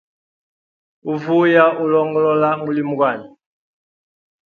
Uvuya ulongolola mulimo gwami.